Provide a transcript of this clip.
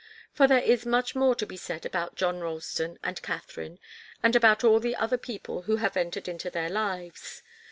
For there is much more to be said about John Ralston and Katharine, and about all the other people who have entered into their lives.